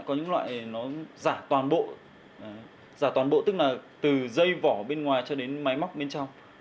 có những loại nó giả toàn bộ giả toàn bộ tức là từ dây vỏ bên ngoài cho đến máy móc bên trong